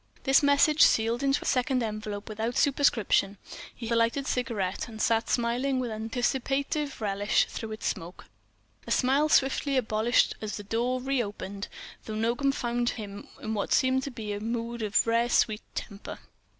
This message sealed into a second envelope without superscription, he lighted a cigarette and sat smiling with anticipative relish through its smoke, a smile swiftly abolished as the door re opened; though Nogam found him in what seemed to be a mood of rare sweet temper.